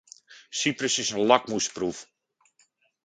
Cyprus is een lakmoesproef.